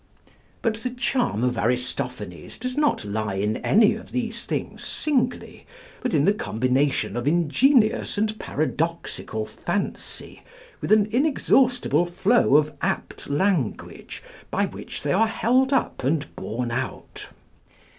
But the charm of Aristophanes does not lie in any of these things singly, but in the combination of ingenious and paradoxical fancy with an inexhaustible flow of apt language by which they are held up and borne out.